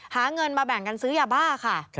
หาเงินมาแบ่งกันซื้อยาบ้าค่ะ